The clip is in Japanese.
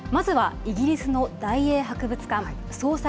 まずは、イギリスの大英博物館。